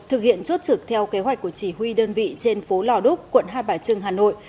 thực hiện chốt trực theo kế hoạch của chỉ huy đơn vị trên phố lò đúc quận hai bà trưng hà nội